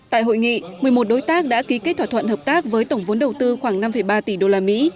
tại hội nghị một mươi một đối tác đã ký kết thỏa thuận hợp tác với tổng vốn đầu tư khoảng năm ba tỷ usd